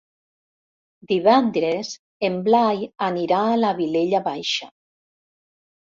Divendres en Blai anirà a la Vilella Baixa.